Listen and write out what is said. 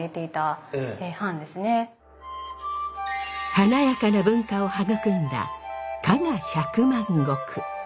華やかな文化を育んだ加賀百万石。